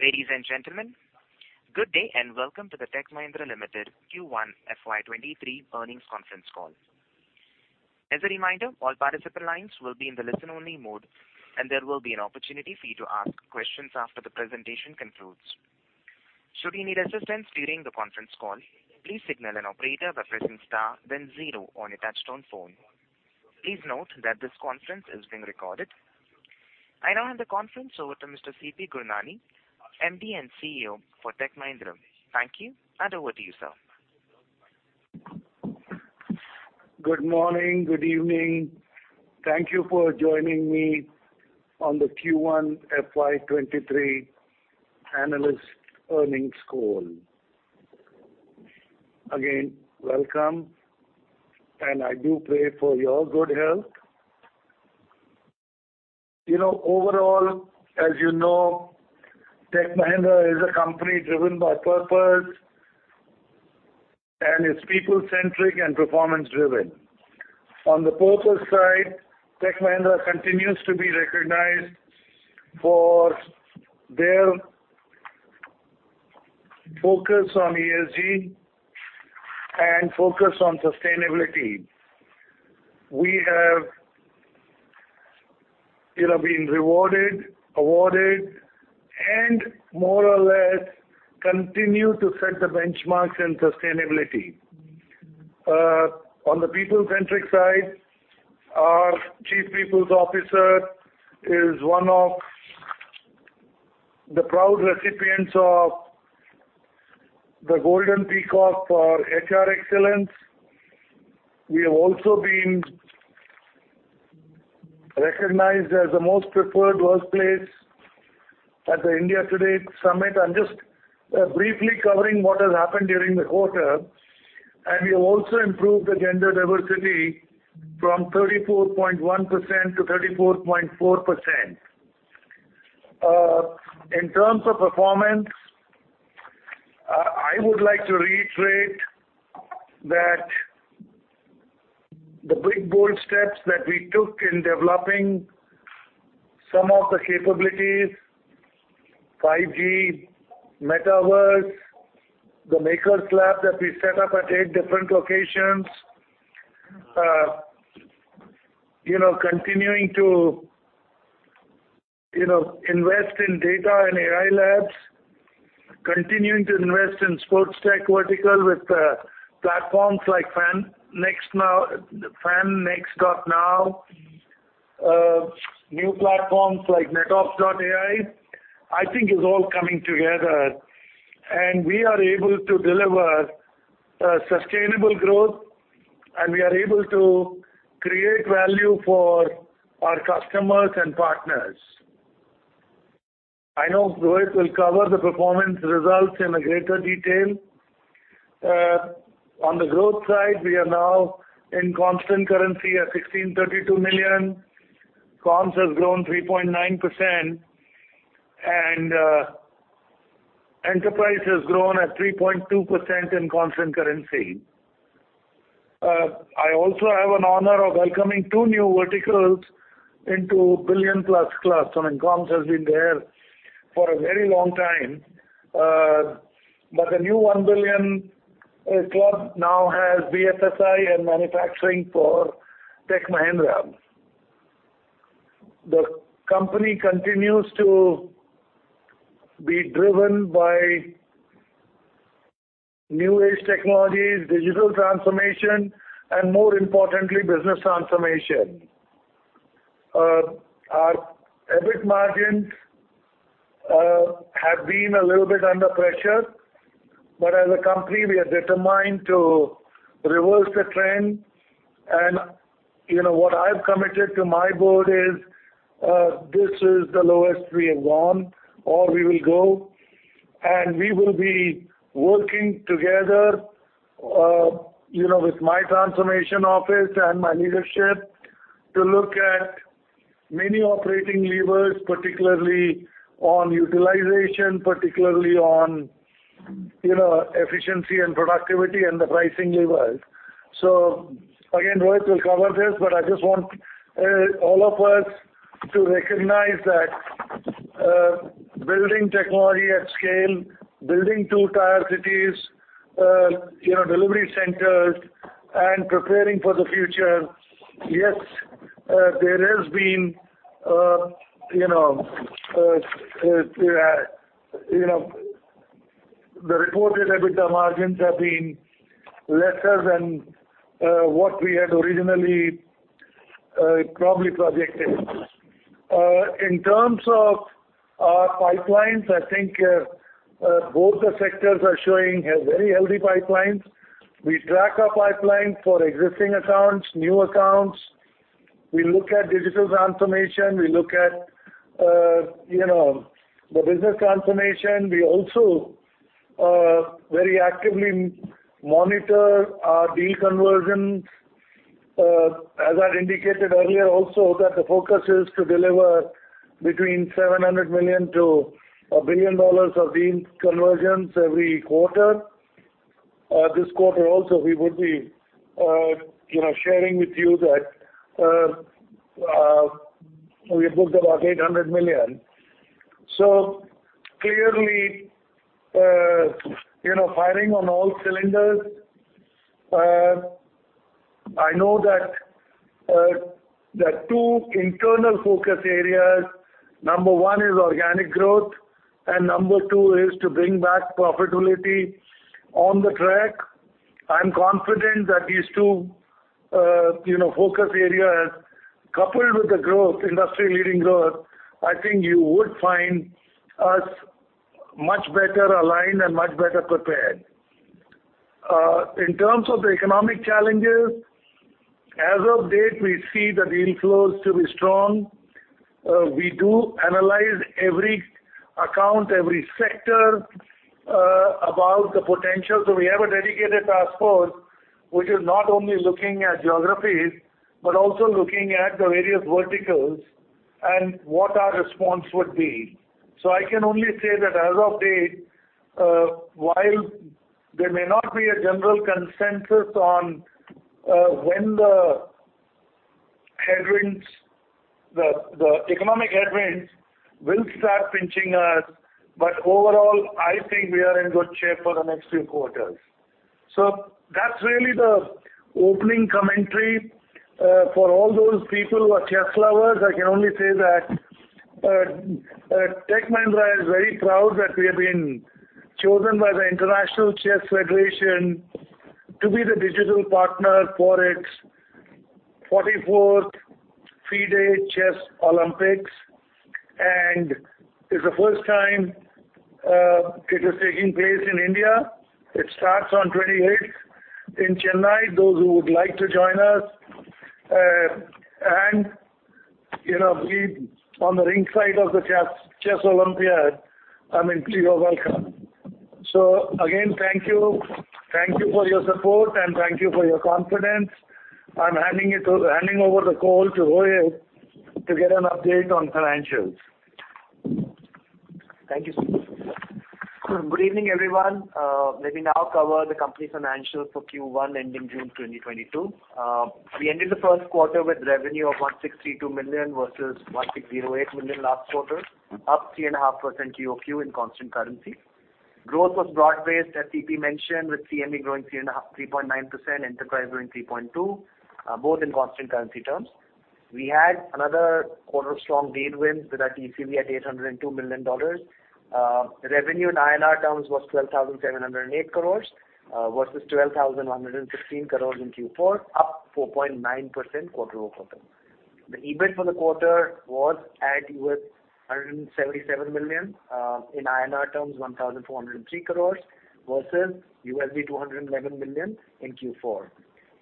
Ladies and gentlemen, good day and welcome to the Tech Mahindra Limited Q1 FY 2023 earnings conference call. As a reminder, all participant lines will be in the listen-only mode, and there will be an opportunity for you to ask questions after the presentation concludes. Should you need assistance during the conference call, please signal an operator by pressing star then zero on your touchtone phone. Please note that this conference is being recorded. I now hand the conference over to Mr. C.P. Gurnani, MD and CEO for Tech Mahindra. Thank you, and over to you, sir. Good morning. Good evening. Thank you for joining me on the Q1 FY 2023 analyst earnings call. Again, welcome, and I do pray for your good health. You know, overall, as you know, Tech Mahindra is a company driven by purpose, and it's people-centric and performance-driven. On the purpose side, Tech Mahindra continues to be recognized for their focus on ESG and focus on sustainability. We have, you know, been rewarded, awarded, and more or less continue to set the benchmarks in sustainability. On the people-centric side, our chief people's officer is one of the proud recipients of the Golden Peacock for HR Excellence. We have also been recognized as the most preferred workplace at the India Today Summit. I'm just briefly covering what has happened during the quarter, and we have also improved the gender diversity from 34.1% to 34.4%. In terms of performance, I would like to reiterate that the big, bold steps that we took in developing some of the capabilities, 5G, metaverse, the Makers Lab that we set up at eight different locations, you know, continuing to, you know, invest in data and AI labs. Continuing to invest in sports tech vertical with platforms like FanNxt.Now, new platforms like NetOps.ai, I think is all coming together, and we are able to deliver sustainable growth, and we are able to create value for our customers and partners. I know Rohit will cover the performance results in greater detail. On the growth side, we are now in constant currency at $1,632 million. Comms has grown 3.9%, and enterprise has grown at 3.2% in constant currency. I also have an honor of welcoming two new verticals into billion-plus class. I mean, comms has been there for a very long time. But the new 1 billion club now has BFSI and manufacturing for Tech Mahindra. The company continues to be driven by new age technologies, digital transformation, and more importantly, business transformation. Our EBIT margins have been a little bit under pressure, but as a company, we are determined to reverse the trend. You know, what I've committed to my board is, this is the lowest we have gone or we will go. We will be working together, you know, with my transformation office and my leadership to look at many operating levers, particularly on utilization, particularly on, you know, efficiency and productivity and the pricing levers. Again, Rohit will cover this, but I just want all of us to recognize that, building technology at scale, building two-tier cities, you know, delivery centers and preparing for the future. Yes, there has been, you know, the reported EBITDA margins have been lesser than what we had originally probably projected. In terms of our pipelines, I think both the sectors are showing a very healthy pipelines. We track our pipeline for existing accounts, new accounts. We look at digital transformation. We look at, you know, the business transformation. We also very actively monitor our deal conversions. As I indicated earlier also that the focus is to deliver between $700 million-$1 billion of deal conversions every quarter. This quarter also we would be, you know, sharing with you that, we booked about $800 million. Clearly, you know, firing on all cylinders. I know that, the two internal focus areas, number one is organic growth and number two is to bring back profitability on the track. I'm confident that these two, you know, focus areas coupled with the growth, industry-leading growth, I think you would find us much better aligned and much better prepared. In terms of the economic challenges, as of date, we see the deal flows to be strong. We do analyze every account, every sector, about the potential. We have a dedicated task force which is not only looking at geographies, but also looking at the various verticals and what our response would be. I can only say that as of date, while there may not be a general consensus on, when the headwinds, the economic headwinds will start pinching us, but overall, I think we are in good shape for the next few quarters. That's really the opening commentary. For all those people who are chess lovers, I can only say that, Tech Mahindra is very proud that we have been chosen by the International Chess Federation to be the digital partner for its 44th FIDE Chess Olympiad, and it's the first time, it is taking place in India. It starts on 28th in Chennai, those who would like to join us. You know, we on the ringside of the Chess Olympiad, I mean, you are welcome. Again, thank you. Thank you for your support, and thank you for your confidence. I'm handing over the call to Rohit to get an update on financials. Thank you. Good evening, everyone. Let me now cover the company financials for Q1 ending June 2022. We ended the first quarter with revenue of $162 million versus $160.8 million last quarter, up 3.5% QOQ in constant currency. Growth was broad-based, as C.P. mentioned, with CME growing 3.9%, Enterprise growing 3.2%, both in constant currency terms. We had another quarter of strong deal wins with our TCV at $802 million. Revenue in INR terms was 12,708 crores versus 12,116 crores in Q4, up 4.9% quarter-over-quarter. The EBIT for the quarter was at $177 million in INR terms 1,403 crores versus $211 million in Q4.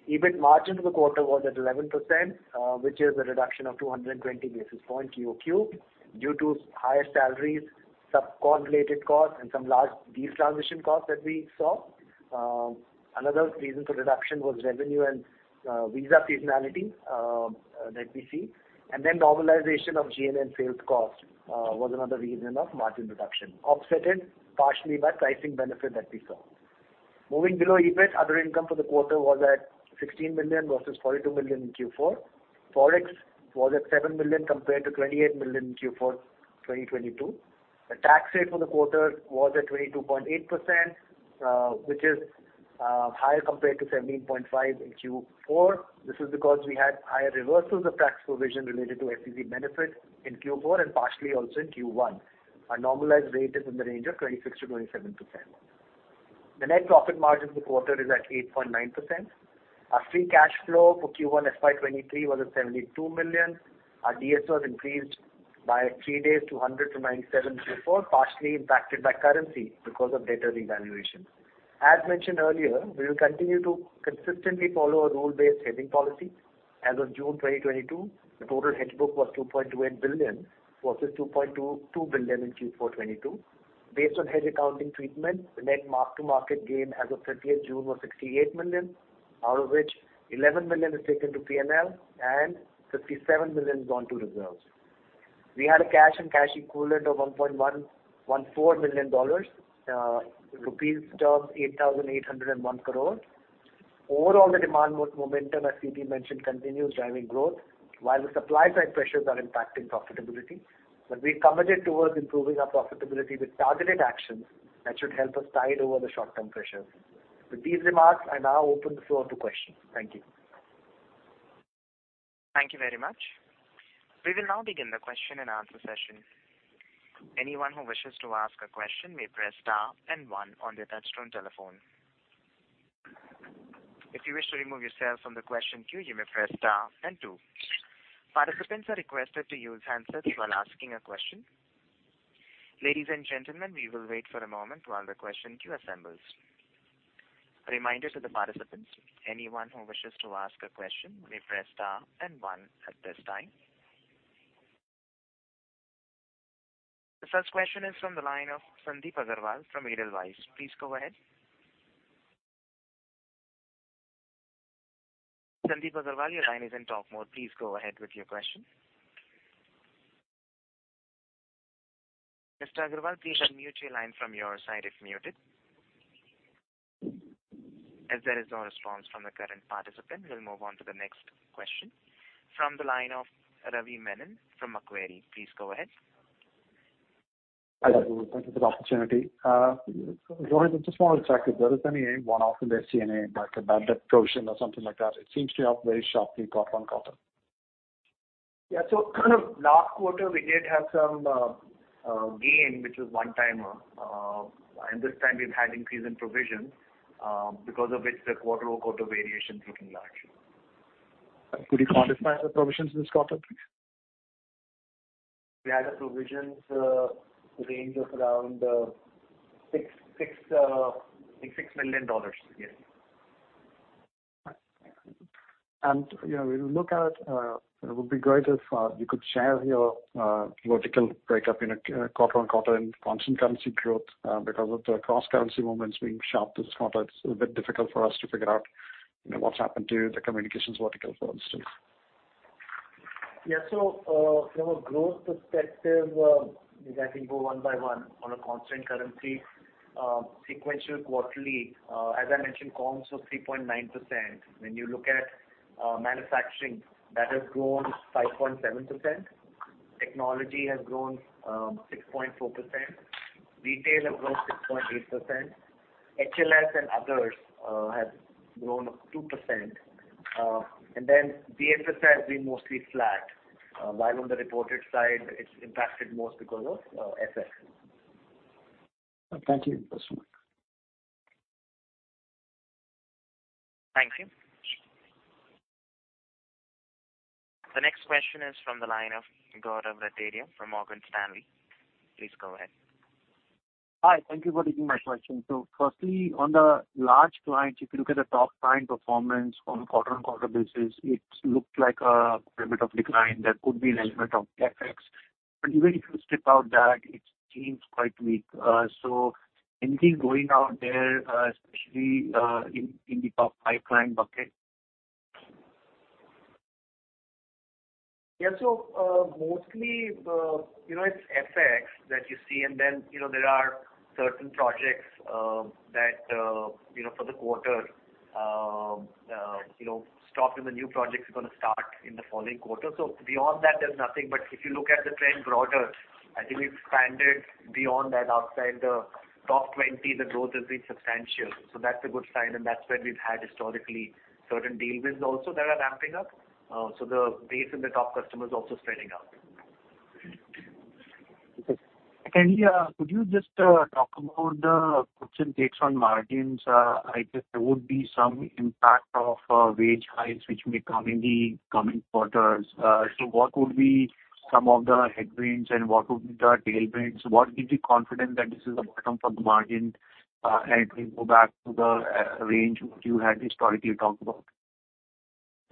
EBIT margin for the quarter was at 11%, which is a reduction of 220 basis points QOQ due to higher salaries, sub-con related costs, and some large deal transition costs that we saw. Another reason for reduction was revenue and Visa seasonality that we see. Normalization of G&A and sales cost was another reason of margin reduction, offset partially by pricing benefit that we saw. Moving below EBIT, other income for the quarter was at $16 million versus $42 million in Q4. Forex was at $7 million compared to $28 million in Q4 2022. The tax rate for the quarter was at 22.8%, which is higher compared to 17.5% in Q4. This is because we had higher reversals of tax provision related to FTC benefit in Q4 and partially also in Q1. Our normalized rate is in the range of 26%-27%. The net profit margin for the quarter is at 8.9%. Our free cash flow for Q1 FY 2023 was at $72 million. Our DSO has increased by three days to 100 from 97 in Q4, partially impacted by currency because of data revaluation. As mentioned earlier, we will continue to consistently follow a rule-based hedging policy. As of June 2022, the total hedge book was $2.28 billion versus $2.22 billion in Q4 2022. Based on hedge accounting treatment, the net mark-to-market gain as of thirtieth June was $68 million, out of which $11 million is taken to P&L and $57 million is on to reserves. We had a cash and cash equivalent of $1.114 million. Rupees terms 8,801 crore. Overall, the demand momentum, as C.P. mentioned, continues driving growth while the supply side pressures are impacting profitability. We're committed towards improving our profitability with targeted actions that should help us tide over the short-term pressures. With these remarks, I now open the floor to questions. Thank you. Thank you very much. We will now begin the question-and-answer session. Anyone who wishes to ask a question may press star and one on their touchtone telephone. If you wish to remove yourself from the question queue, you may press star and two. Participants are requested to use handsets while asking a question. Ladies and gentlemen, we will wait for a moment while the question queue assembles. A reminder to the participants, anyone who wishes to ask a question may press star and one at this time. The first question is from the line of Sandip Agarwal from Edelweiss. Please go ahead. Sandip Agarwal, your line is in talk mode. Please go ahead with your question. Mr. Agarwal, please unmute your line from your side if muted. As there is no response from the current participant, we'll move on to the next question from the line of Ravi Menon from Macquarie. Please go ahead. Hi, thank you for the opportunity. Rohit, I just wanna check if there is any one-off in the G&A, like a bad debt provision or something like that. It seems to be up very sharply quarter-on-quarter. Yeah. Last quarter we did have some gain, which was one-timer. This time we've had increase in provisions, because of which the quarter-over-quarter variation is looking large. Could you quantify the provisions this quarter, please? We had a provisions range of around $6 million. Yes. You know, we look at it would be great if you could share your vertical breakup in a quarter-on-quarter and constant currency growth because of the cross-currency movements being sharp this quarter. It's a bit difficult for us to figure out, you know, what's happened to the communications vertical, for instance. Yeah. From a growth perspective, if I can go one by one on a constant currency, sequential, quarterly, as I mentioned, comms was 3.9%. When you look at manufacturing, that has grown 5.7%. Technology has grown 6.4%. Retail have grown 6.8%. HLS and others have grown 2%. BFSI has been mostly flat. While on the reported side, it's impacted more because of FX. Thank you. That's all. Thank you. The next question is from the line of Gaurav Rateria from Morgan Stanley. Please go ahead. Hi. Thank you for taking my question. Firstly, on the large clients, if you look at the top line performance on a quarter-over-quarter basis, it's looked like a little bit of decline. That could be an element of FX. But even if you strip out that, it seems quite weak. Anything going out there, especially in the top five client bucket? Yeah. Mostly, you know, it's FX that you see, and then, you know, there are certain projects that, you know, for the quarter, you know, stopped and the new projects are gonna start in the following quarter. Beyond that, there's nothing. If you look at the broader trend, I think we've expanded beyond that. Outside the top 20, the growth has been substantial. That's a good sign, and that's where we've had historically certain deal wins also that are ramping up. The base and the top customers are also spreading out. Okay. Could you just talk about the puts and takes on margins? I think there would be some impact of wage hikes which may come in the coming quarters. What would be some of the headwinds and what would be the tailwinds? What gives you confidence that this is the bottom for the margin, and it will go back to the range which you had historically talked about?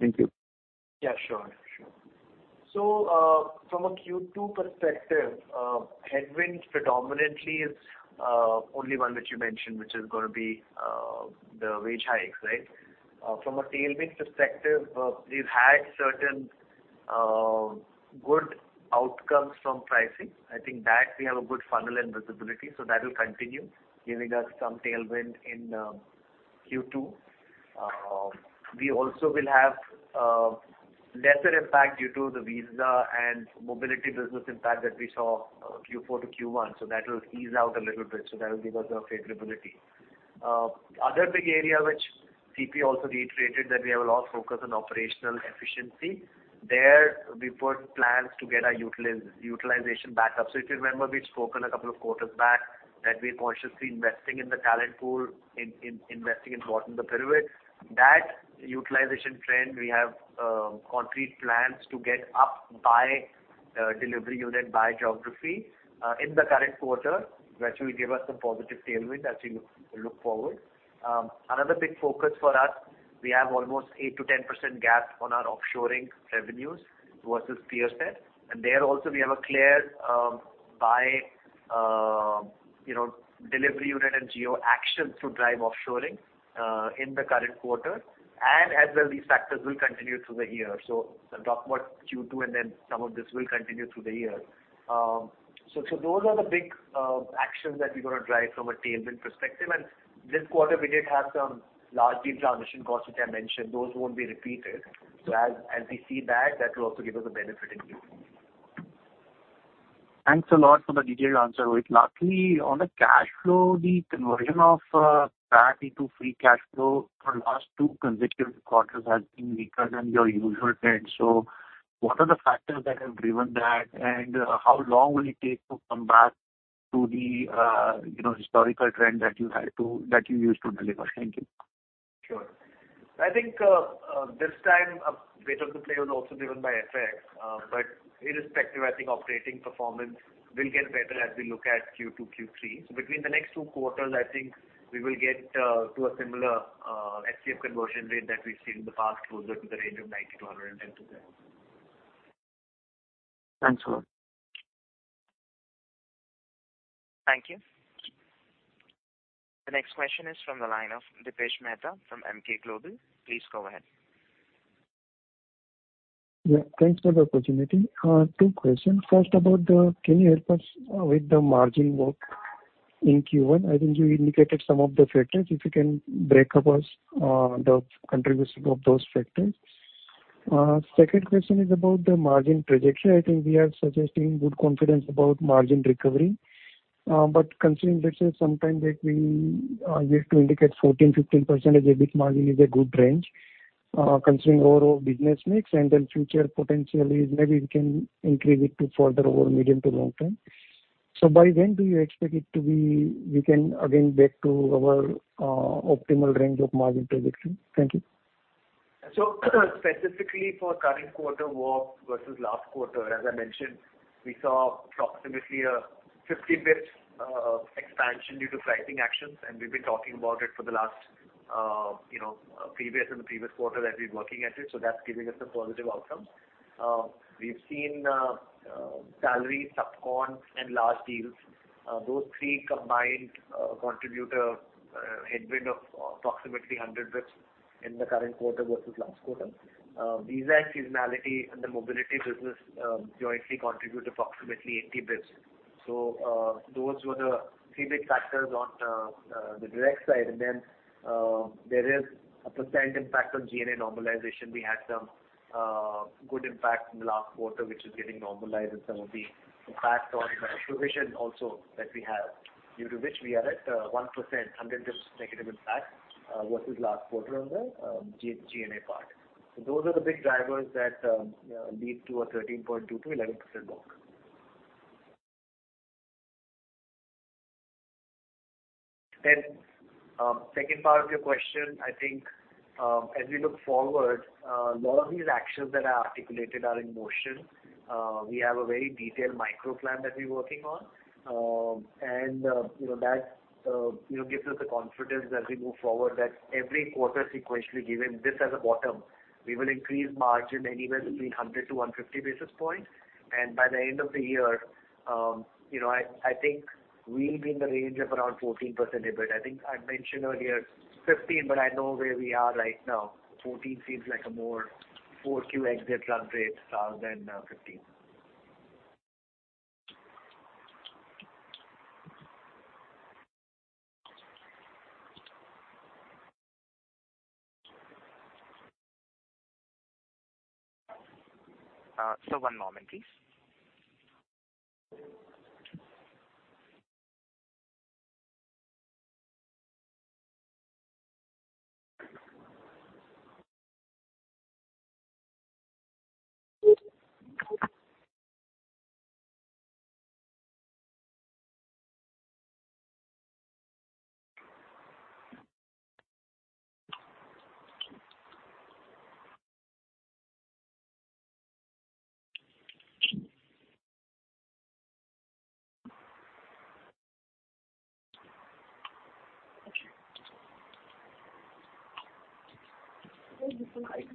Thank you. Yeah, sure. From a Q2 perspective, headwinds predominantly is only one which you mentioned, which is gonna be the wage hikes, right? From a tailwind perspective, we've had certain good outcomes from pricing. I think that we have a good funnel and visibility, so that will continue giving us some tailwind in Q2. We also will have lesser impact due to the visa and mobility business impact that we saw Q4 to Q1, so that will ease out a little bit. That will give us a favorability. Other big area which C.P. also reiterated that we have a lot of focus on operational efficiency. There we put plans to get our utilization back up. If you remember, we've spoken a couple of quarters back that we're consciously investing in the talent pool, investing in bottom of the pyramid. That utilization trend we have concrete plans to get up by delivery unit by geography in the current quarter, which will give us some positive tailwind as we look forward. Another big focus for us, we have almost 8%-10% gap on our offshoring revenues versus peer set. There also we have a clear plan by you know delivery unit and geo action to drive offshoring in the current quarter. As well, these factors will continue through the year. I'll talk about Q2 and then some of this will continue through the year. Those are the big actions that we're gonna drive from a tailwind perspective. This quarter we did have some large deal transition costs which I mentioned. Those won't be repeated. As we see that will also give us a benefit in Q4. Thanks a lot for the detailed answer, Rohit. Lastly, on the cash flow, the conversion of PAT into free cash flow for last two consecutive quarters has been weaker than your usual trend. What are the factors that have driven that, and how long will it take to come back to the you know, historical trend that you used to deliver? Thank you. Sure. I think, this time a bit of the play was also driven by FX. But irrespective, I think operating performance will get better as we look at Q2, Q3. Between the next two quarters, I think we will get to a similar FCF conversion rate that we've seen in the past, closer to the range of 90%-110% today. Thanks a lot. Thank you. The next question is from the line of Dipesh Mehta from Emkay Global. Please go ahead. Yeah. Thanks for the opportunity. Two questions. First, can you help us with the margin work in Q1? I think you indicated some of the factors. If you can break it up for us, the contribution of those factors. Second question is about the margin projection. I think we are suggesting good confidence about margin recovery. But considering, let's say, sometimes that we used to indicate 14%-15% as EBIT margin is a good range, considering overall business mix and then future potential is maybe we can increase it to further over medium to long term. By when do you expect it to be we can again back to our optimal range of margin projection? Thank you. Specifically for current quarter work versus last quarter, as I mentioned, we saw approximately 50 basis points expansion due to pricing actions, and we've been talking about it for the last, you know, previous quarter that we're working at it, so that's giving us a positive outcome. We've seen salary, subcon and large deals. Those three combined contribute a headwind of approximately 100 basis points in the current quarter versus last quarter. Visa and seasonality in the mobility business jointly contribute approximately 80 basis points. Those were the three big factors on the direct side. Then, there is a 1% impact on G&A normalization. We had some good impact in the last quarter, which is getting normalized, and some of the impact on the provision also that we have. Due to which we are at 1%, 100 basis points negative impact versus last quarter on the G&A part. Those are the big drivers that lead to a 13.2%-11% drop. Second part of your question, I think, as we look forward, a lot of these actions that are articulated are in motion. We have a very detailed micro plan that we're working on. You know that gives us the confidence as we move forward that every quarter sequentially given this as a bottom, we will increase margin anywhere between 100 to 150 basis points. By the end of the year, you know, I think we'll be in the range of around 14% EBIT. I think I mentioned earlier 15, but I know where we are right now. 14 seems like a more 4Q exit run rate rather than 15. One moment please.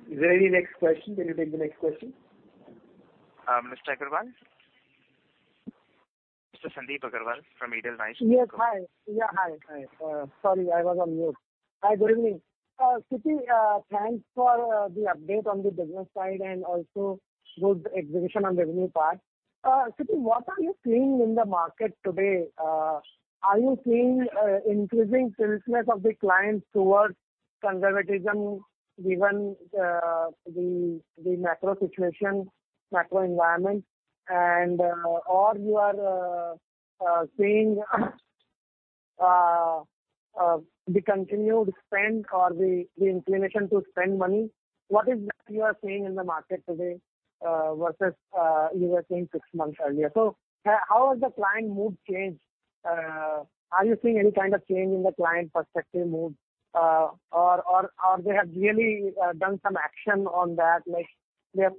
Is there any next question? Can you take the next question? Mr. Agarwal? Mr. Sandip Agarwal from Edelweiss. Sorry, I was on mute. Good evening. C.P., thanks for the update on the business side and also good explanation on the revenue part. C.P., what are you seeing in the market today? Are you seeing increasing seriousness of the clients towards conservatism given the macro situation, macro environment and or you are seeing the continued spend or the inclination to spend money? What is that you are seeing in the market today versus you were seeing six months earlier? How has the client mood changed? Are you seeing any kind of change in the client perspective mood? Or they have really done some action on that? Like, they have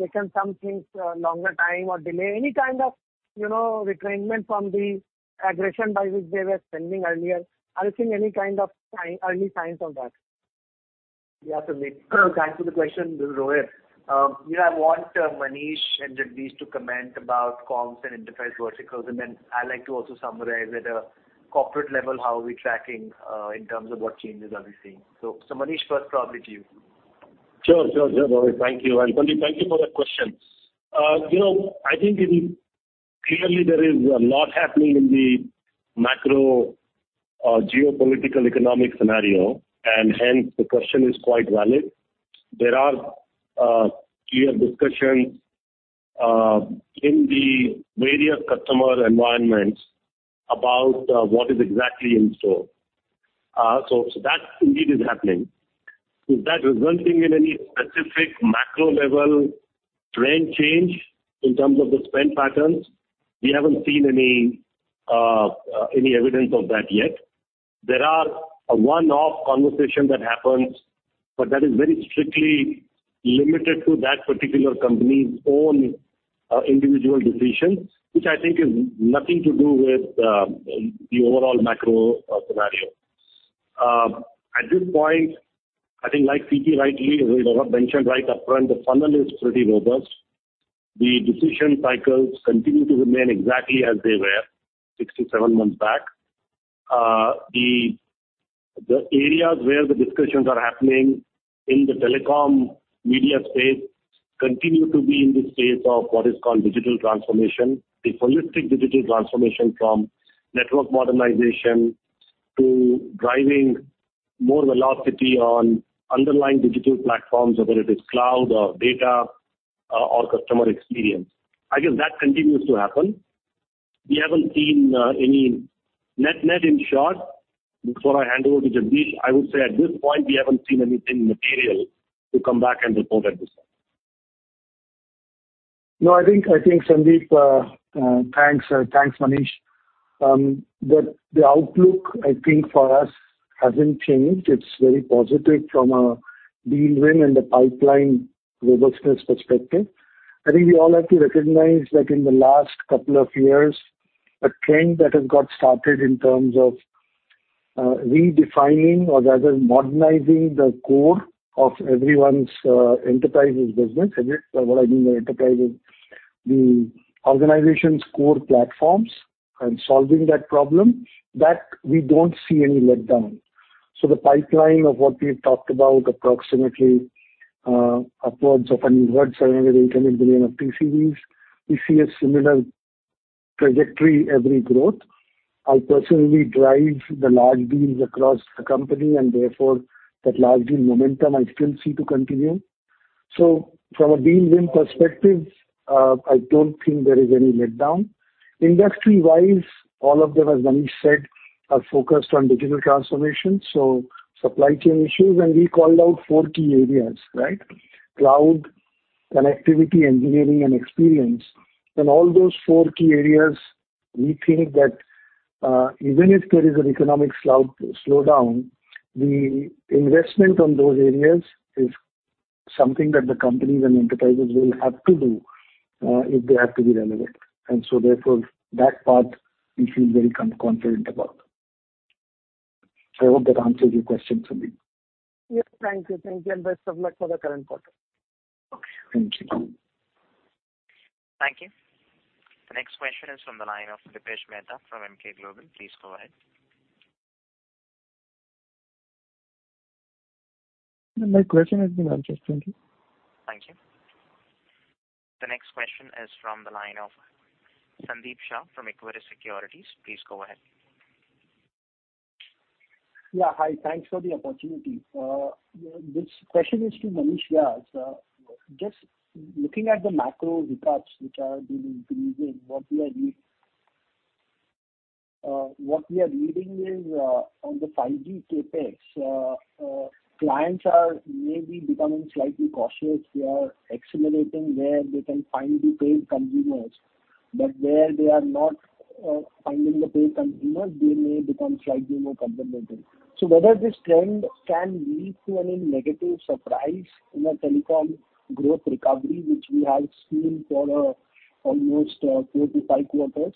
taken some things longer time or delay. Any kind of, you know, restraint from the aggression by which they were spending earlier? Are you seeing any kind of sign, early signs of that? Yeah, Sandip. Thanks for the question. This is Rohit. Yeah, I want Manish and Jagdish to comment about comms and enterprise verticals, and then I'd like to also summarize at a corporate level how we're tracking in terms of what changes are we seeing. So, Manish, first probably to you. Sure, Rohit. Thank you. Sandip, thank you for that question. You know, I think it is clearly there is a lot happening in the macro, geopolitical, economic scenario, and hence the question is quite valid. There are clear discussions in the various customer environments about what is exactly in store. That indeed is happening. Is that resulting in any specific macro level trend change in terms of the spend patterns? We haven't seen any evidence of that yet. There are a one-off conversation that happens, but that is very strictly limited to that particular company's own individual decisions, which I think is nothing to do with the overall macro scenario. At this point, I think like C.P. rightly, or Rohit mentioned right up front, the funnel is pretty robust. The decision cycles continue to remain exactly as they were six to seven months back. The areas where the discussions are happening in the telecom media space continue to be in the space of what is called digital transformation. The holistic digital transformation from network modernization to driving more velocity on underlying digital platforms, whether it is cloud or data, or customer experience. I guess that continues to happen. We haven't seen any net-net, in short, before I hand over to Jagdish, I would say at this point, we haven't seen anything material to come back and report at this time. No, I think Sandip, thanks Manish. The outlook, I think, for us hasn't changed. It's very positive from a deal win and the pipeline robustness perspective. I think we all have to recognize that in the last couple of years, a trend that has got started in terms of redefining or rather modernizing the core of everyone's enterprises business. What I mean by enterprise is the organization's core platforms and solving that problem, that we don't see any letdown. The pipeline of what we've talked about, approximately, upwards of 700-800 billion of TCVs, we see a similar trajectory every growth. I personally drive the large deals across the company and therefore that large deal momentum I still see to continue. From a deal win perspective, I don't think there is any letdown. Industry-wise, all of them, as Manish said, are focused on digital transformation, so supply chain issues. We called out four key areas, right? Cloud, connectivity, engineering and experience. All those four key areas, we think that, even if there is an economic slowdown, the investment on those areas is something that the companies and enterprises will have to do, if they have to be relevant. Therefore, that part we feel very confident about. I hope that answers your question, Sandip. Yes, thank you. Thank you, and best of luck for the current quarter. Okay, thank you. Thank you. The next question is from the line of Dipesh Mehta from Emkay Global. Please go ahead. My question has been answered. Thank you. Thank you. The next question is from the line of Sandeep Shah from Equirus Securities. Please go ahead. Hi. Thanks for the opportunity. This question is to Manish Vyas. Just looking at the macro hiccups which are being increasing, what we are reading is on the 5G CapEx, clients are maybe becoming slightly cautious. They are accelerating where they can find the paid consumers, but where they are not finding the paid consumers, they may become slightly more conservative. Whether this trend can lead to any negative surprise in the telecom growth recovery, which we have seen for almost four to five quarters.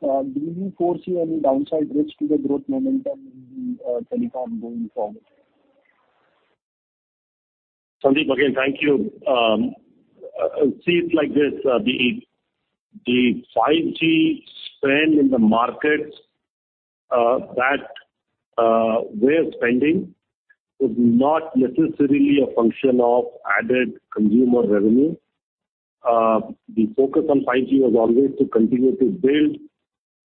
Do you foresee any downside risk to the growth momentum in the telecom going forward? Sandeep, again, thank you. See it like this. The 5G spend in the market that we're spending is not necessarily a function of added consumer revenue. The focus on 5G was always to continue to build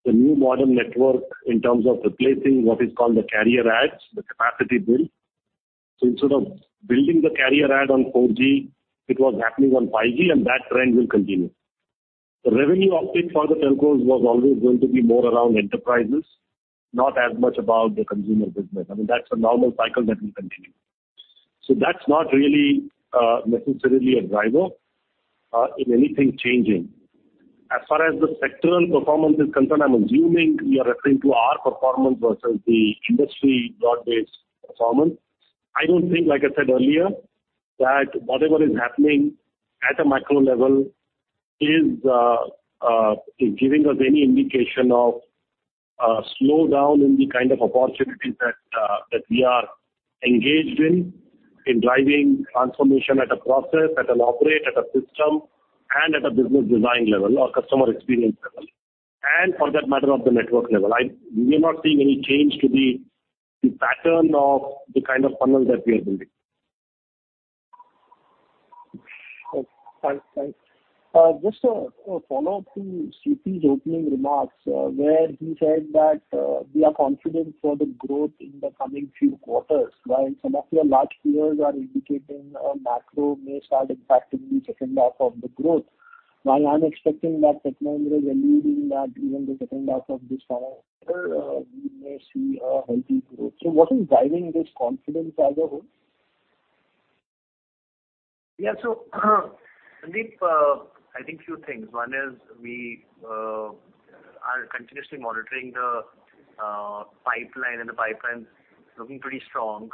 the new modern network in terms of replacing what is called the carrier adds, the capacity build. Instead of building the carrier add on 4G, it was happening on 5G and that trend will continue. The revenue uptick for the telcos was always going to be more around enterprises, not as much about the consumer business. I mean, that's a normal cycle that will continue. That's not really necessarily a driver in anything changing. As far as the sectoral performance is concerned, I'm assuming you are referring to our performance versus the industry broad-based performance. I don't think, like I said earlier, that whatever is happening at a macro level is giving us any indication of a slowdown in the kind of opportunities that we are engaged in driving transformation at a process, at an operations, at a system and at a business design level or customer experience level. For that matter, of the network level. We are not seeing any change to the pattern of the kind of funnel that we are building. Okay, fine. Thanks. Just a follow-up to C.P.'s opening remarks, where he said that we are confident for the growth in the coming few quarters. While some of your large peers are indicating a macro may start impacting the second half of the growth. While I'm expecting that Tech Mahindra is alluding that even the second half of this calendar year, we may see a healthy growth. What is driving this confidence as a whole? Sandeep, I think few things. One is we are continuously monitoring the pipeline, and the pipeline's looking pretty strong,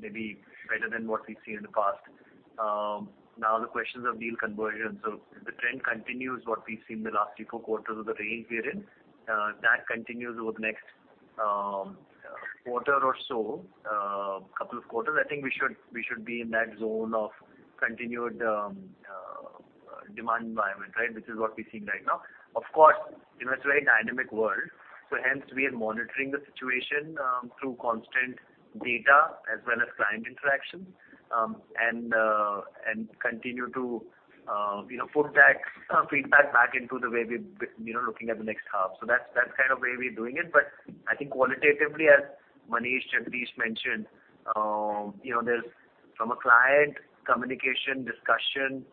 maybe better than what we've seen in the past. Now the question is of deal conversion. If the trend continues what we've seen in the last three to four quarters of the range we're in, that continues over the next quarter or so, couple of quarters, I think we should be in that zone of continued. Demand environment, right? Which is what we're seeing right now. Of course, you know, it's a very dynamic world, so hence we are monitoring the situation through constant data as well as client interaction. Continue to you know, put that feedback back into the way we we you know looking at the next half. So that's kind of way we're doing it. But I think qualitatively, as Manish and Jagdish mentioned, you know, there's from a client communication discussion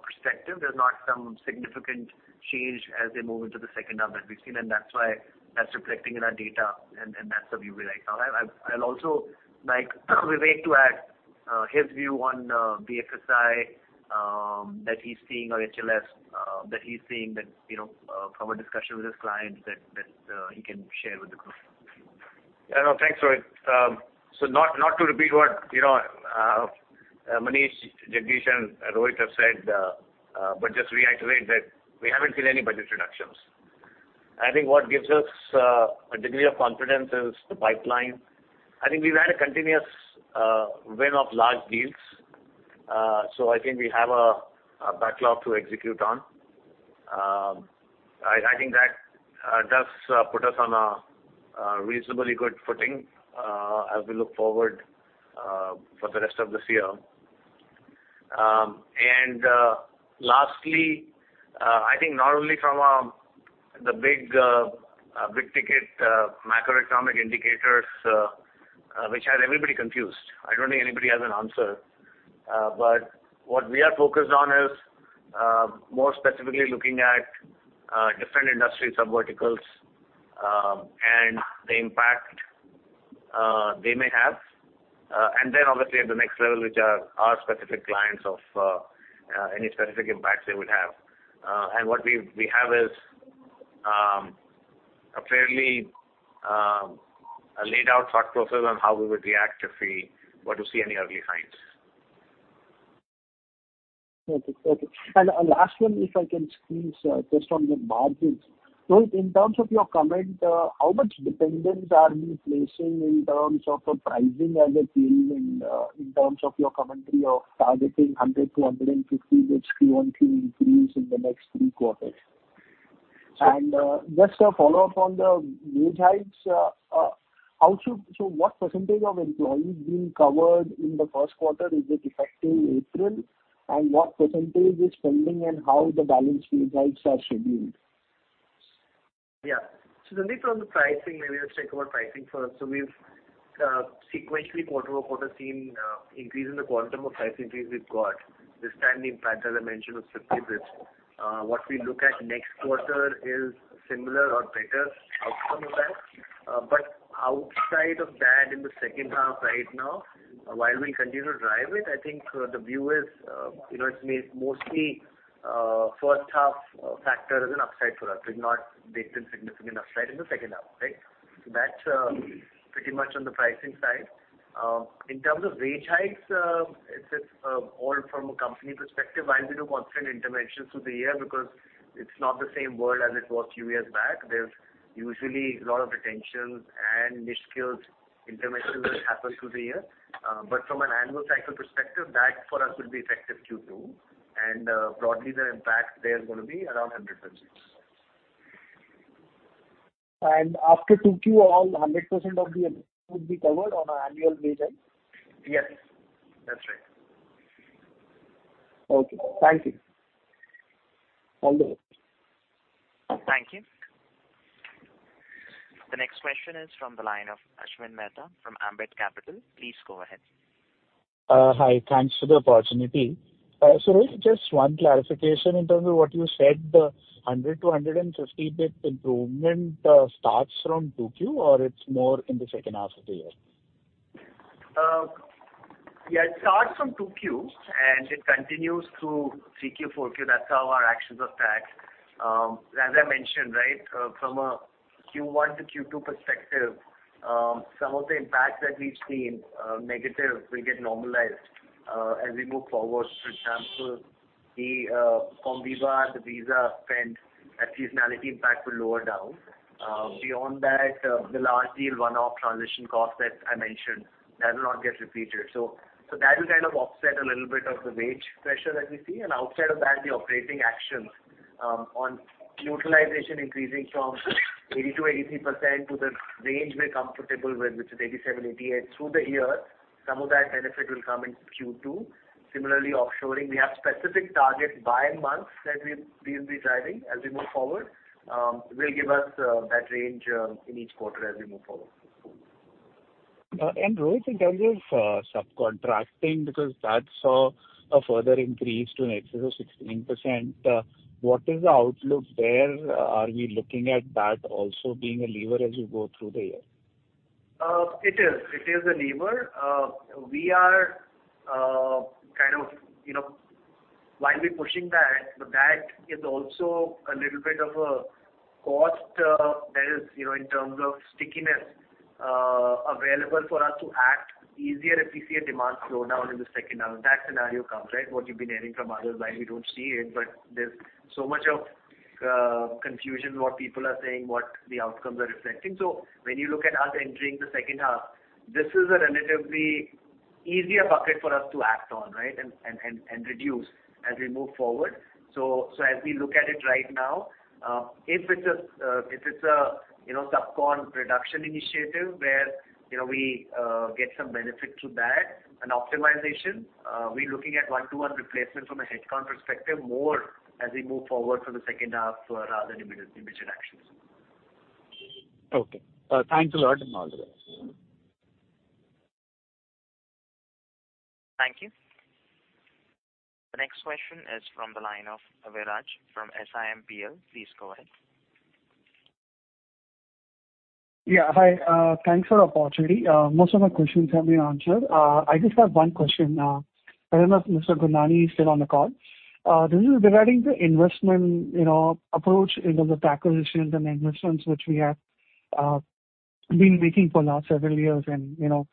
perspective, there's not some significant change as they move into the second half that we've seen. That's why that's reflecting in our data and that's the view right now. I'll also like Vivek to add his view on BFSI that he's seeing or HLS that he's seeing, you know, from a discussion with his clients that he can share with the group. Yeah. No, thanks, Rohit. Not to repeat what, you know, Manish, Jagdish and Rohit have said, but just reiterate that we haven't seen any budget reductions. I think what gives us a degree of confidence is the pipeline. I think we've had a continuous win of large deals. So I think we have a backlog to execute on. I think that does put us on a reasonably good footing as we look forward for the rest of this year. Lastly, I think not only from the big-ticket macroeconomic indicators which has everybody confused. I don't think anybody has an answer. What we are focused on is more specifically looking at different industry subverticals and the impact they may have. Then obviously at the next level, which are our specific clients of any specific impacts they would have. What we have is a fairly laid out thought process on how we would react if we were to see any early signs. Okay. A last one, if I can squeeze, just on the margins. Rohit, in terms of your comment, how much dependence are we placing in terms of a pricing as a change in terms of your commentary of targeting 100-150 basis point increase in the next three quarters? Just a follow-up on the wage hikes. What percentage of employees being covered in the first quarter? Is it effective April? What percentage is pending and how the balance wage hikes are scheduled? Yeah. Sandeep on the pricing, maybe let's talk about pricing first. We've sequentially quarter-over-quarter seen increase in the quantum of price increase we've got. This time the impact, as I mentioned, was 50 basis. What we look at next quarter is similar or better outcome of that. But outside of that in the second half right now, while we continue to drive it, I think the view is, you know, it's mostly first half factor as an upside for us. We've not baked in significant upside in the second half, right? That's pretty much on the pricing side. In terms of wage hikes, it's all from a company perspective, while we do constant interventions through the year because it's not the same world as it was few years back. There's usually a lot of retentions and niche skills interventions that happen through the year. From an annual cycle perspective, that for us will be effective Q2. Broadly the impact there is gonna be around 100 basis. After 2Q all 100% of the employees would be covered on an annual wage hike? Yes, that's right. Okay. Thank you. All the best. Thank you. The next question is from the line of Ashwin Mehta from Ambit Capital. Please go ahead. Hi. Thanks for the opportunity. Rohit, just one clarification in terms of what you said, the 100-150 basis improvement starts from 2Q or it's more in the second half of the year? Yeah, it starts from 2Q and it continues through 3Q, 4Q. That's how our actions are tracked. As I mentioned, right, from a Q1 to Q2 perspective, some of the impacts that we've seen, negative, will get normalized, as we move forward. For example, from Visa, the Visa spend, that seasonality impact will lower down. Beyond that, the large deal one-off transition cost that I mentioned, that will not get repeated. So that will kind of offset a little bit of the wage pressure that we see. Outside of that, the operating actions on utilization increasing from 80 to 83% to the range we're comfortable with, which is 87-88 through the year. Some of that benefit will come in Q2. Similarly, offshoring, we have specific targets by month that we will be driving as we move forward. Will give us that range in each quarter as we move forward. Rohit, in terms of subcontracting, because that saw a further increase to in excess of 16%. What is the outlook there? Are we looking at that also being a lever as you go through the year? It is a lever. We are kind of, you know, while we're pushing that, but that is also a little bit of a cost, you know, in terms of stickiness, available for us to act easier if we see a demand slowdown in the second half. If that scenario comes, right? What you've been hearing from others, while we don't see it, but there's so much of confusion what people are saying, what the outcomes are reflecting. When you look at us entering the second half, this is a relatively easier bucket for us to act on, right, and reduce as we move forward. As we look at it right now, if it's a you know sub-con reduction initiative where you know we get some benefit through that and optimization, we're looking at one-to-one replacement from a headcount perspective more as we move forward for the second half rather than immediate actions. Okay. Thanks a lot. Thank you. The next question is from the line of Viraj from SiMPL. Please go ahead. Yeah. Hi, thanks for the opportunity. Most of my questions have been answered. I just have one question. I don't know if Mr. Gurnani is still on the call. This is regarding the investment, you know, approach in terms of acquisitions and investments which we have been making for last several years. You know,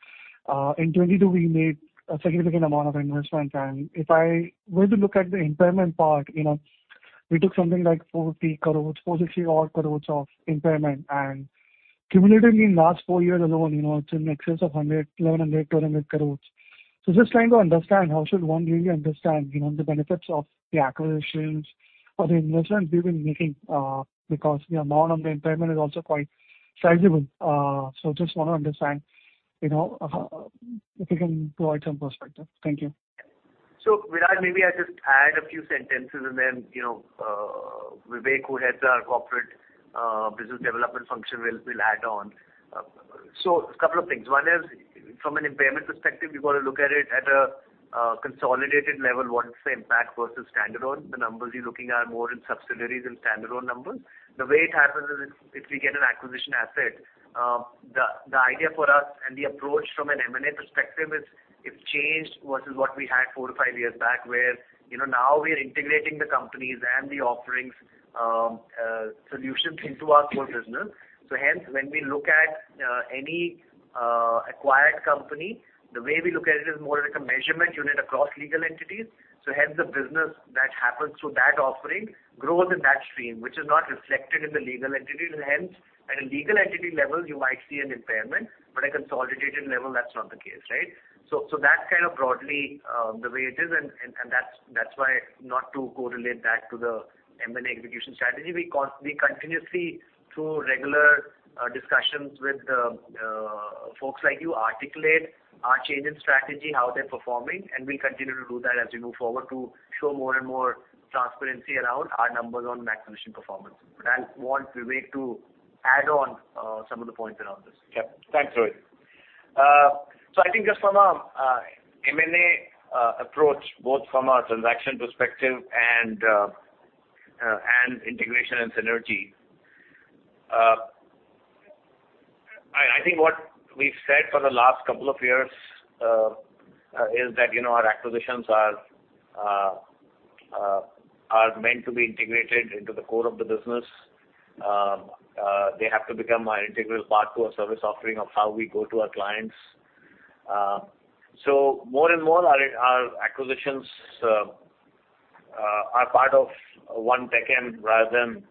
in 2022 we made a significant amount of investment. If I were to look at the impairment part, you know, we took something like 40 crores, 43 odd crores of impairment. Cumulatively in last four years alone, you know, it's in excess of 1,100-1,200 crores. Just trying to understand how should one really understand, you know, the benefits of the acquisitions or the investments we've been making, because the amount on the impairment is also quite sizable. Just wanna understand, you know, if you can provide some perspective. Thank you. Viraj, maybe I just add a few sentences and then, you know, Vivek, who heads our corporate business development function will add on. A couple of things. One is from an impairment perspective, you've got to look at it at a consolidated level, what's the impact versus standalone? The numbers you're looking at are more in subsidiaries and standalone numbers. The way it happens is if we get an acquisition asset, the idea for us and the approach from an M&A perspective is it's changed versus what we had 4-5 years back. Where, you know, now we are integrating the companies and the offerings, solutions into our core business. Hence, when we look at any acquired company, the way we look at it is more like a measurement unit across legal entities. Hence the business that happens through that offering grows in that stream, which is not reflected in the legal entity. Hence at a legal entity level, you might see an impairment, but at consolidated level, that's not the case, right? That's kind of broadly the way it is. That's why not to correlate back to the M&A execution strategy. We continuously through regular discussions with folks like you articulate our change in strategy, how they're performing, and we continue to do that as we move forward to show more and more transparency around our numbers on acquisition performance. I want Vivek to add on some of the points around this. Yep. Thanks, Rohit. I think just from a M&A approach, both from a transaction perspective and integration and synergy, I think what we've said for the last couple of years is that, you know, our acquisitions are meant to be integrated into the core of the business. They have to become an integral part to our service offering of how we go to our clients. More and more our acquisitions are part of one TechM rather than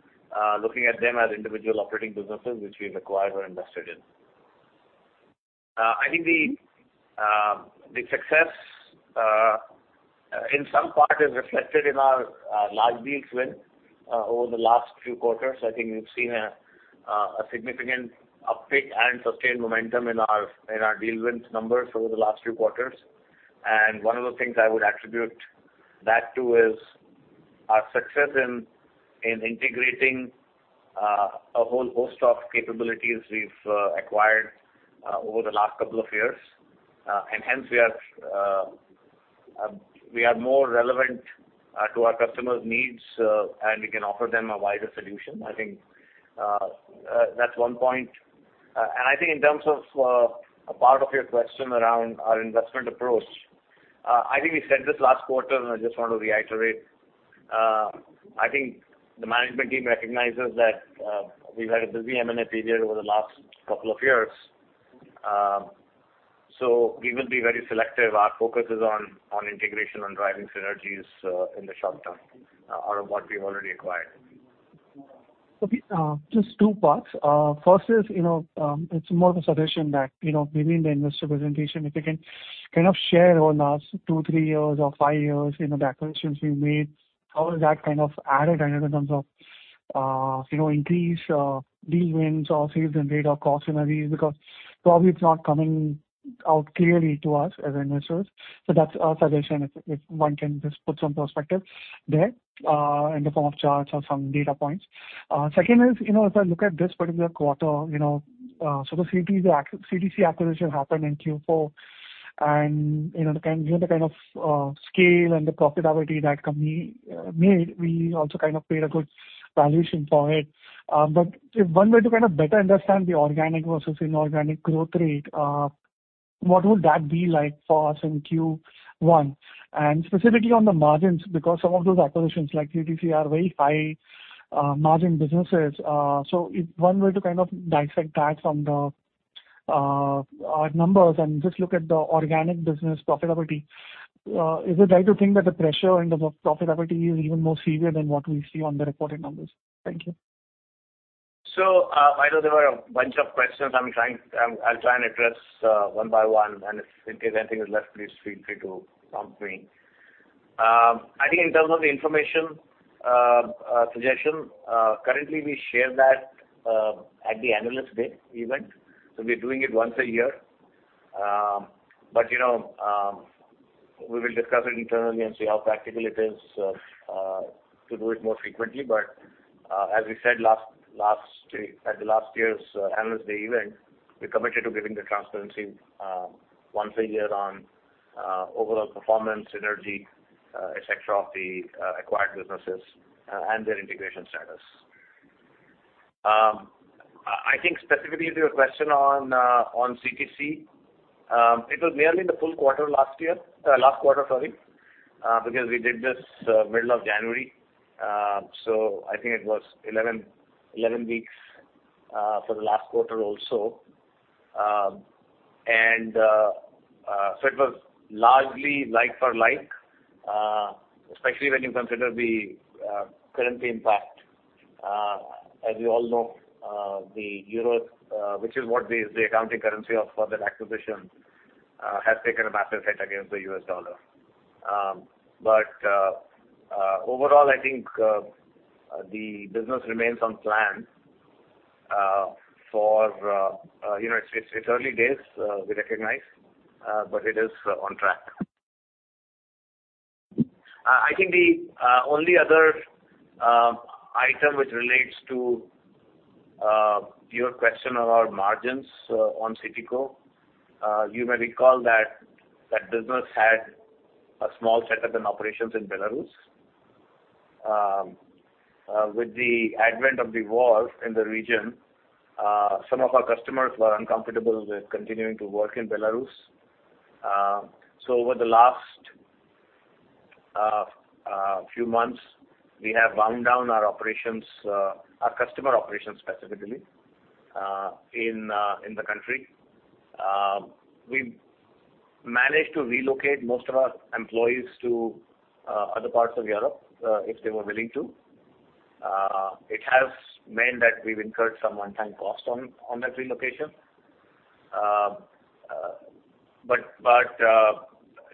looking at them as individual operating businesses which we've acquired or invested in. I think the success in some part is reflected in our large deals win over the last few quarters. I think we've seen a significant uptick and sustained momentum in our deal wins numbers over the last few quarters. One of the things I would attribute that to is our success in integrating a whole host of capabilities we've acquired over the last couple of years. Hence we are more relevant to our customers' needs and we can offer them a wider solution. I think that's one point. I think in terms of a part of your question around our investment approach, I think we said this last quarter, and I just want to reiterate. I think the management team recognizes that we've had a busy M&A period over the last couple of years. We will be very selective. Our focus is on integration and driving synergies in the short term out of what we've already acquired. Okay. Just two parts. First is, you know, it's more of a suggestion that, you know, maybe in the investor presentation, if you can kind of share on us two, three years or five years, you know, the acquisitions we made, how has that kind of added and in terms of, you know, increase, deal wins or sales win rate or cost synergies? Because probably it's not coming out clearly to us as investors. That's our suggestion, if one can just put some perspective there, in the form of charts or some data points. Second is, you know, if I look at this particular quarter, you know, so the CTC acquisition happened in Q4. You know, the kind of scale and the profitability that company made, we also kind of paid a good valuation for it. If one were to kind of better understand the organic versus inorganic growth rate, what would that be like for us in Q1? Specifically on the margins, because some of those acquisitions like CTC are very high margin businesses. If one were to kind of dissect that from the- Our numbers and just look at the organic business profitability, is it right to think that the pressure and the profitability is even more severe than what we see on the reported numbers? Thank you. I know there were a bunch of questions. I'll try and address one by one, and if anything is left, please feel free to prompt me. I think in terms of the information suggestion, currently, we share that at the Analyst Day event, so we're doing it once a year. We will discuss it internally and see how practical it is to do it more frequently. As we said last year at the last year's Analyst Day event, we committed to giving the transparency once a year on overall performance, synergy, et cetera, of the acquired businesses and their integration status. I think specifically to your question on CTC, it was merely the full quarter last year. Last quarter, sorry, because we did this middle of January. So I think it was 11 weeks for the last quarter also. And so it was largely like for like, especially when you consider the currency impact. As you all know, the euros, which is what the accounting currency of further acquisitions, has taken a massive hit against the US dollar. But overall, I think the business remains on plan, you know, it's early days, we recognize, but it is on track. I think the only other item which relates to your question about margins on CTC. You may recall that that business had a small setup and operations in Belarus. With the advent of the war in the region, some of our customers were uncomfortable with continuing to work in Belarus. Over the last few months, we have wound down our operations, our customer operations specifically, in the country. We managed to relocate most of our employees to other parts of Europe, if they were willing to. It has meant that we've incurred some one-time cost on that relocation.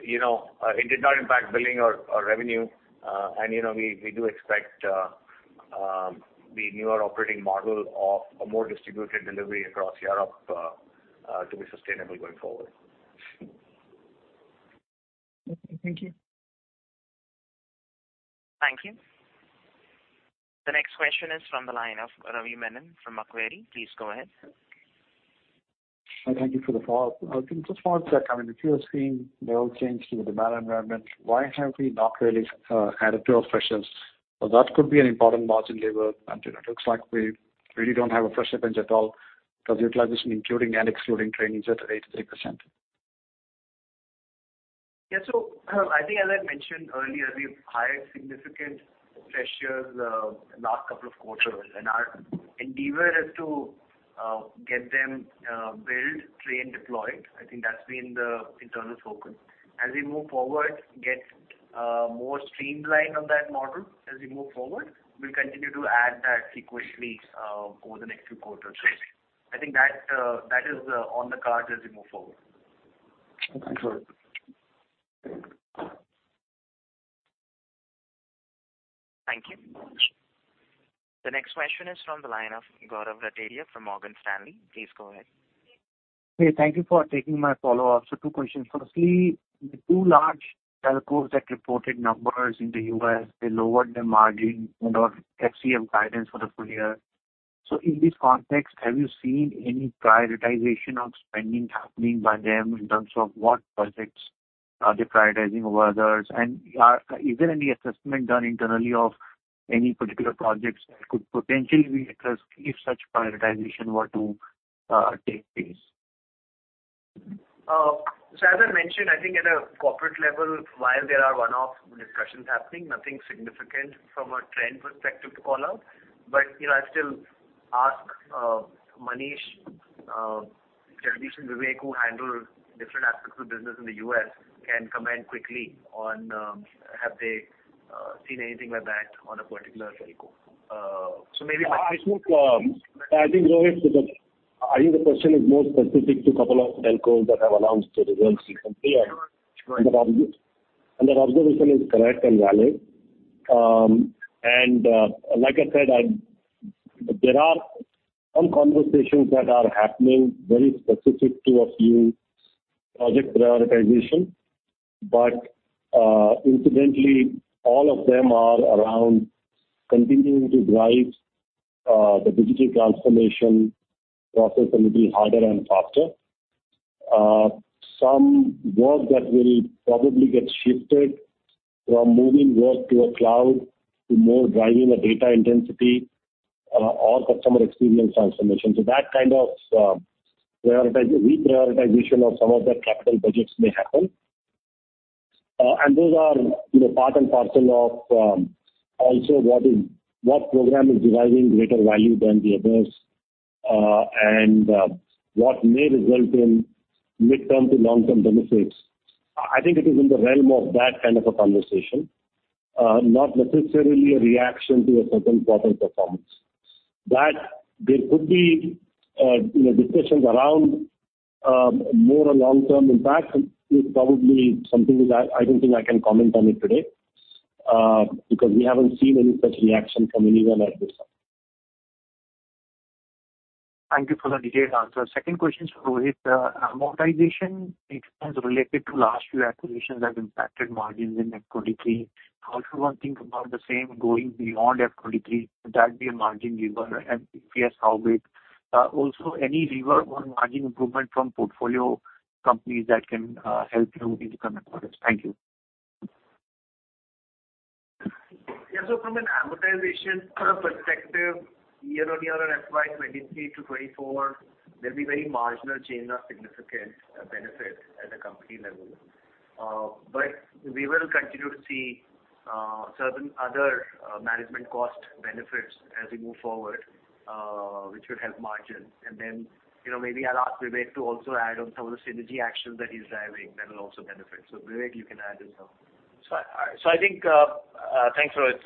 You know, it did not impact billing or revenue. You know, we do expect the newer operating model of a more distributed delivery across Europe to be sustainable going forward. Okay. Thank you. Thank you. The next question is from the line of Ravi Menon from Macquarie. Please go ahead. Hi, thank you for the follow-up. Just wanted to check, I mean, if you're seeing no change to the demand environment, why have we not really added pricing pressures? That could be an important margin lever. You know, it looks like we really don't have any bench pressure at all because utilization, including and excluding trainings at 83%. Yeah. I think as I mentioned earlier, we've hired significant freshers last couple of quarters, and our endeavor is to get them billed, trained, deployed. I think that's been the internal focus. As we move forward, get more streamlined on that model as we move forward, we'll continue to add that sequentially over the next few quarters. Okay. I think that is on the cards as we move forward. Okay. Thanks a lot. Thank you. The next question is from the line of Gaurav Rateria from Morgan Stanley. Please go ahead. Okay. Thank you for taking my follow-up. Two questions. Firstly, the two large telcos that reported numbers in the U.S., they lowered their margin and/or FCF guidance for the full year. In this context, have you seen any prioritization of spending happening by them in terms of what budgets are they prioritizing over others? And is there any assessment done internally of any particular projects that could potentially be at risk if such prioritization were to take place? As I mentioned, I think at a corporate level, while there are one-off discussions happening, nothing significant from a trend perspective to call out. You know, I still ask Manish, Jagdish and Vivek, who handle different aspects of business in the U.S., can comment quickly on have they seen anything like that on a particular telco? I think, Rohit, the question is more specific to a couple of telcos that have announced the results recently. Their observation is correct and valid. Like I said, there are some conversations that are happening very specific to a few project prioritization. Incidentally, all of them are around continuing to drive the digital transformation process a little harder and faster. Some work that will probably get shifted from moving work to a cloud to more driving the data intensity or customer experience transformation. That kind of reprioritization of some of the capital budgets may happen. Those are, you know, part and parcel of also what program is deriving greater value than the others, and what may result in midterm to long-term benefits. I think it is in the realm of that kind of a conversation, not necessarily a reaction to a certain quarter performance. That there could be, you know, discussions around more a long-term impact is probably something that I don't think I can comment on it today, because we haven't seen any such reaction from anyone at this time. Thank you for the detailed answer. Second question is for Rohit. Amortization expense related to last few acquisitions have impacted margins in FY 2023. How should one think about the same going beyond FY 2023? Would that be a margin lever? If yes, how big? Also any lever on margin improvement from portfolio companies that can help you in the coming quarters? Thank you. Yeah. From an amortization sort of perspective, year-on-year on FY23 to FY24, there'll be very marginal change of significant benefit at a company level. But we will continue to see certain other management cost benefits as we move forward, which would help margins. You know, maybe I'll ask Vivek to also add on some of the synergy actions that he's driving that will also benefit. Vivek, you can add as well. I think thanks, Rohit.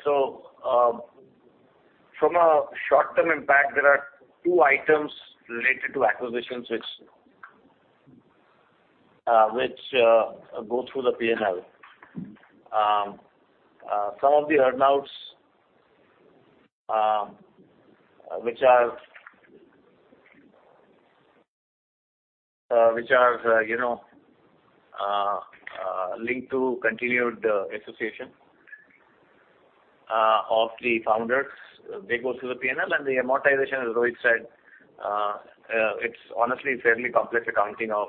From a short-term impact, there are two items related to acquisitions which go through the P&L. Some of the earn-outs, which are, you know, linked to continued association of the founders, they go through the P&L. The amortization, as Rohit said, it's honestly fairly complex accounting of,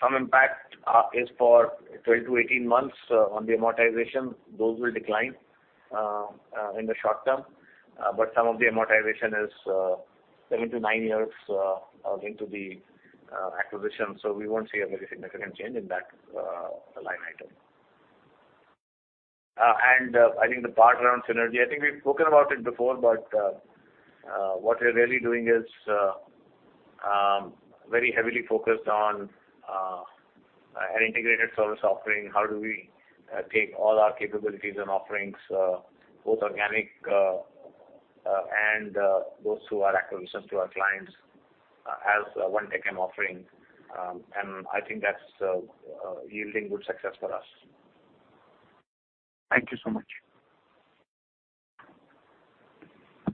some impact, is for 12-18 months, on the amortization. Those will decline in the short term. Some of the amortization is 7-9 years into the acquisition. We won't see a very significant change in that line item. I think the part around synergy. I think we've spoken about it before, but what we're really doing is very heavily focused on an integrated service offering. How do we take all our capabilities and offerings, both organic and those through our acquisitions to our clients as one TechM offering? I think that's yielding good success for us. Thank you so much.